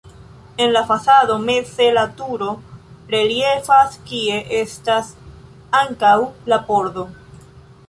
En la fasado meze la turo reliefas, kie estas ankaŭ la pordo.